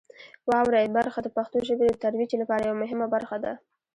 واورئ برخه د پښتو ژبې د ترویج لپاره یوه مهمه برخه ده.